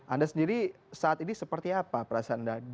anda sendiri saat ini seperti apa perasaan anda